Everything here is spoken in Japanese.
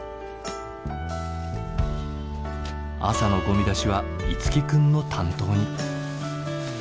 朝のゴミ出しは樹君の担当に。